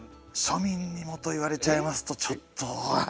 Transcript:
「庶民にも」と言われちゃいますとちょっと。